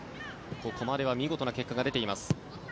ここまでは見事な結果が出ています。